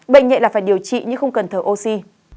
bệnh nhẹ là phải điều trị nhưng không cần thở oxy